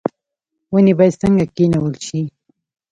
ونې باید څنګه کینول شي؟